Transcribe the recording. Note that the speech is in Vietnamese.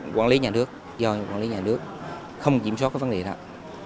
quản lý nhà nước do quản lý nhà nước không kiểm soát cái vấn đề nào